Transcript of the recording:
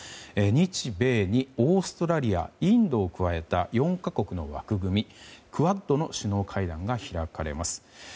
日米にオーストラリアインドを加えた４か国の枠組み、クアッドの首脳会談が開かれます。